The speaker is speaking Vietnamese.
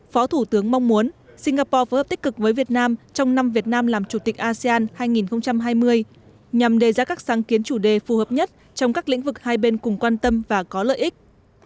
phó thủ tướng mong muốn singapore phối hợp tích cực với việt nam trong năm việt nam làm chủ tịch asean hai nghìn hai mươi nhằm đề ra các sáng kiến chủ đề phù hợp nhất trong các lĩnh vực hai bên cùng quan tâm và có lợi ích